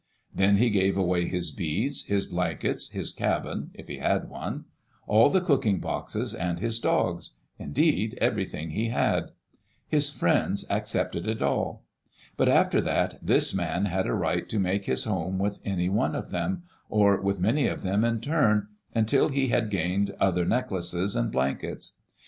Then he gave away his beads, his blankets, his cabin (if he had one), all the cooking boxes, and his dogs — indeed, everything he had. His friends accepted it all. But after that, this man had a right to make his home with any one of them, or with many of them in turn, until he had gained other necklaces and blankets.